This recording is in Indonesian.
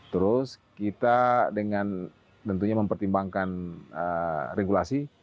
terus kita dengan tentunya mempertimbangkan regulasi